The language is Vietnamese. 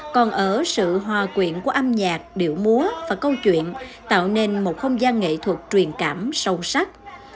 còn ở sự hòa quyện của âm nhạc điệu múa và câu chuyện tạo nên một không gian nghệ thuật truyền cảm sâu sắc